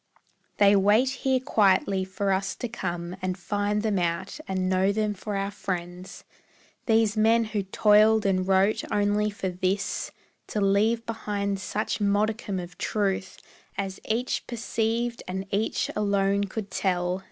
They wait here quietly for us to come And find them out, and know them for our friends; These men who toiled and wrote only for this, To leave behind such modicum of truth As each perceived and each alone could tell.